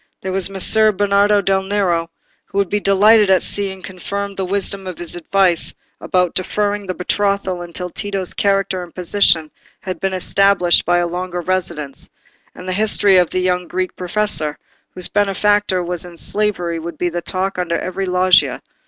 There was Messer Bernardo del Nero, who would be delighted at seeing confirmed the wisdom of his advice about deferring the betrothal until Tito's character and position had been established by a longer residence; and the history of the young Greek professor, whose benefactor was in slavery, would be the talk under every loggia.